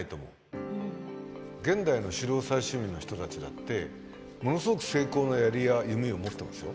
現代の狩猟採集民の人たちだってものすごく精巧な槍や弓を持ってますよ。